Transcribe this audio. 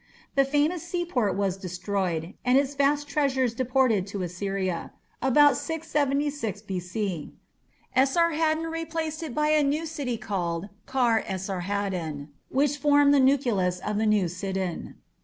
The famous seaport was destroyed, and its vast treasures deported to Assyria (about 676 B.C). Esarhaddon replaced it by a new city called Kar Esarhaddon, which formed the nucleus of the new Sidon.